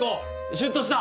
シュっとした。